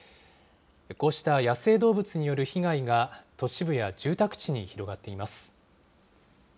こうした野生動物による被害が、都市部や住宅地に広がっています。